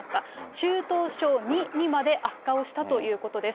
中等症２にまで悪化をしたということです。